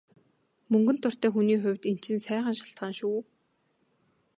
Мөнгөнд дуртай хүний хувьд энэ чинь сайхан шалтгаан шүү.